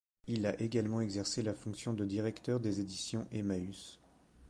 Il a également exercé la fonction de directeur des éditions Emmaüs.